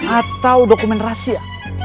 atau dokumen rahasia